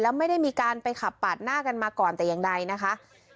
แล้วไม่ได้มีการไปขับปาดหน้ากันมาก่อนแต่อย่างใดนะคะ